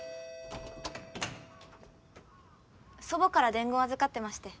祖母から伝言預かってまして。